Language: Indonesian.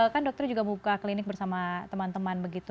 kan dokter juga buka klinik bersama teman teman begitu